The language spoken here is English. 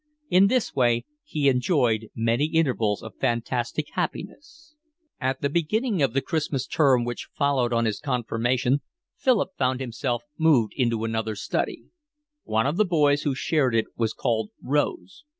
In this way he enjoyed many intervals of fantastic happiness. At the beginning of the Christmas term which followed on his confirmation Philip found himself moved into another study. One of the boys who shared it was called Rose.